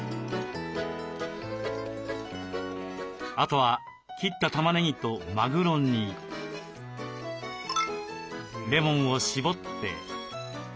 あとは切ったたまねぎとマグロにレモンをしぼって。